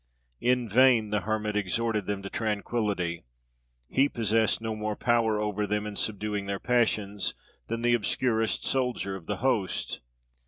In vain the Hermit exhorted them to tranquillity; he possessed no more power over them, in subduing their passions, than the obscurest soldier of the host.